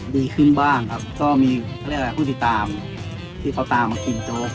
ดีขึ้นบ้างครับก็มีผู้ติดตามที่เขาตามมากินโจ๊ก